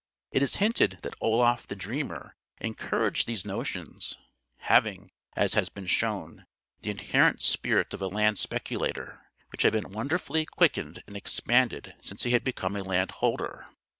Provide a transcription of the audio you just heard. It is hinted that Oloffe the Dreamer encouraged these notions; having, as has been shown, the inherent spirit of a land speculator, which had been wonderfully quickened and expanded since he had become a landholder.